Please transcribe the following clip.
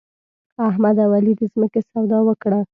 احمد او علي د ځمکې سودا وکړه.